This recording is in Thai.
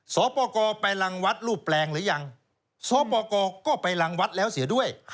สปไปลังวัดรูปแปลงหรือยังสปก็ไปลังวัดแล้วเสียด้วย